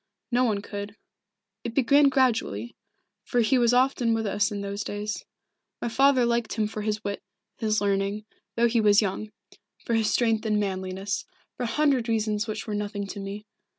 No one could. It began gradually, for he was often with us in those days. My father liked him for his wit, his learning, though he was young; for his strength and manliness for a hundred reasons which were nothing to me.